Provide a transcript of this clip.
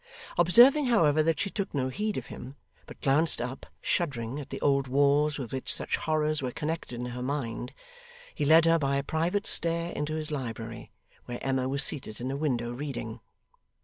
Observing, however, that she took no heed of him, but glanced up, shuddering, at the old walls with which such horrors were connected in her mind, he led her by a private stair into his library, where Emma was seated in a window, reading.